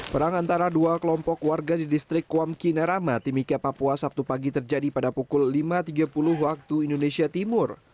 perang antara dua kelompok warga di distrik kuamki narama timika papua sabtu pagi terjadi pada pukul lima tiga puluh waktu indonesia timur